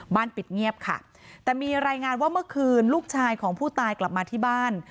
ปิดเงียบค่ะแต่มีรายงานว่าเมื่อคืนลูกชายของผู้ตายกลับมาที่บ้าน